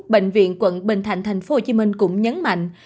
bệnh viện quận bình thạnh tp hcm cũng nhấn mạnh